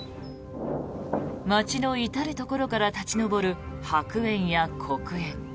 街の至るところから立ち上る白煙や黒煙。